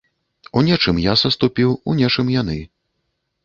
У нечым я саступіў, у нечым яны.